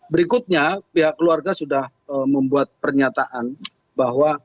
berikutnya pihak keluarga sudah membuat pernyataan bahwa